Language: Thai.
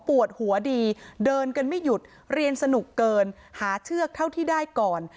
ปวดหัวดีเดินกันไม่หยุดเรียนสนุกเกินหาเชือกเท่าที่ได้ก่อน